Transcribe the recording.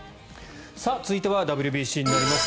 続いてはＷＢＣになります。